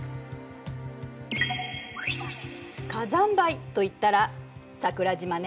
火山灰といったら桜島ね。